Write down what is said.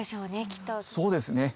そうですね。